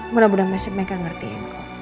mudah mudahan mereka ngertiin